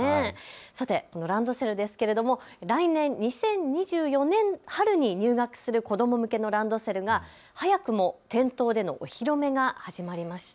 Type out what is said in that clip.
さて、ランドセルですけれども来年２０２４年春に入学する子ども向けのランドセルが早くも店頭でのお披露目が始まりました。